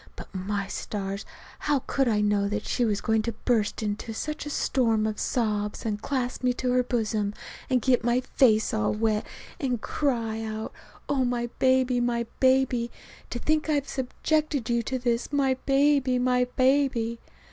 But, my stars! How could I know that she was going to burst into such a storm of sobs and clasp me to her bosom, and get my face all wet and cry out: "Oh, my baby, my baby to think I have subjected you to this, my baby, my baby!"